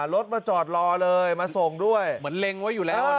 รถมาจอดรอเลยมาส่งด้วยเหมือนเล็งไว้อยู่แล้ว